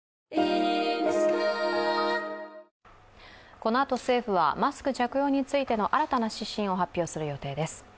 このあと政府はマスク着用についての新たな指針を発表する予定です。